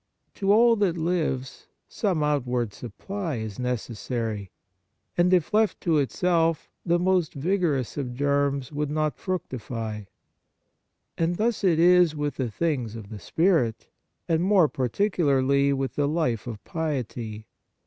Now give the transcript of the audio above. To all that lives some out ward supply is necessary ; and if left to itself, the most vigorous of germs would not fructify. And thus is it with the things of the spirit, and more particularly with the life of piety.